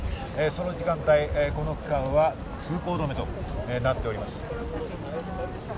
その時間帯、この区間は通行止めとなっております。